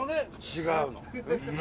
違うの。